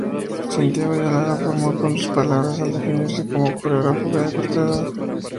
Santiago Ayala lo formó con sus palabras a definirse como coreógrafo a corta edad.